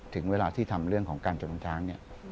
ถึงเวลาที่ทำเรื่องของการจดทาง